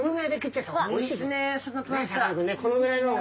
このぐらいの方が。